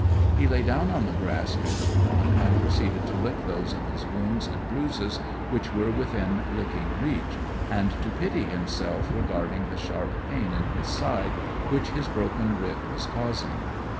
He lay down on the grass near the pond and proceeded to lick those of his wounds and bruises which were within licking reach, and to pity himself regarding the sharp pain in his side which his broken rib was causing.